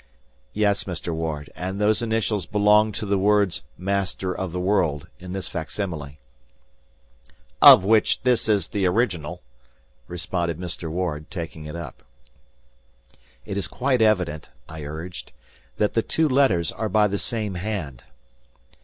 "Yes, Mr. Ward, and those initials belong to the words, 'Master of the World,' in this facsimile." "Of which this is the original," responded Mr. Ward, taking it up. "It is quite evident," I urged, "that the two letters are by the same hand."